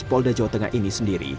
polda jawa tengah ini sendiri